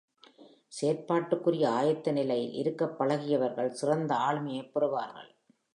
செயற்பாட்டுக்குரிய ஆயத்த நிலையில் இருக்கப் பழகியவர்கள் சிறந்த ஆளுமையைப் பெறுவார்கள்.